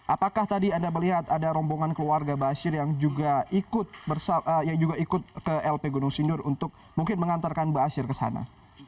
apakah tadi anda melihat ada rombongan keluarga ⁇ asyir yang juga ikut ke lp gunung sindur untuk mungkin mengantarkan ⁇ baasyir ⁇ ke sana